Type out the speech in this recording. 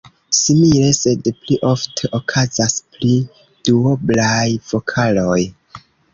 Simile, sed pli ofte, okazas pri duoblaj vokaloj.